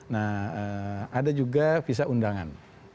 nah ada juga visa undangan